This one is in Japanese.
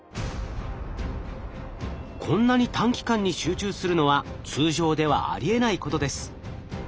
こんなに短期間に集中するのは通常ではありえないことです。